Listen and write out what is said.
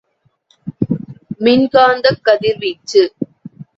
மின் காந்தக் கதிர்வீச்சு.